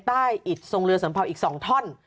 ใต้อิตทรงเรือสำเภาอีกสองท่อน